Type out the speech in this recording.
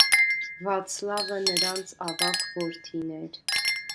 Վացլավը նրանց ավագ որդին էր։